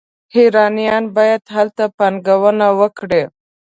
ایرانیان باید هلته پانګونه وکړي.